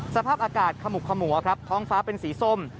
สภาพอากาศขมุกขมัวครับท้องฟ้าเป็นสีส้ม